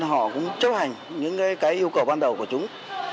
họ cũng chấp hành những cái yêu cầu ban đầu của chúng